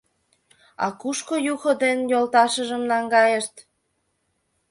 А кушко Юхо ден йолташыжым наҥгайышт?